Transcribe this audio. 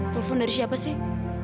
telepon dari siapa sih